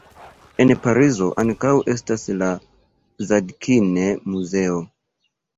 En Parizo ankaŭ estas la Zadkine-Muzeo.